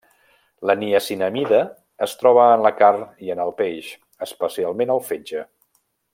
La niacinamida es troba en la carn i en el peix, especialment al fetge.